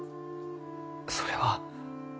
それは。